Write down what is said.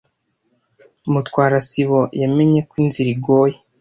Mutwara sibo yamenye ko inzira igoye.